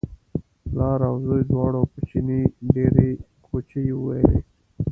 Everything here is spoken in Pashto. پلار او زوی دواړو په چیني ډېرې کوچې وویلې.